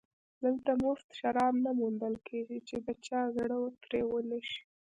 دلته مفت شراب نه موندل کېږي چې د چا زړه ترې ونشي